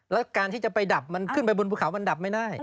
แล้วการที่จะไปดับมันขึ้นไปบนภูเขามันดับไม่ได้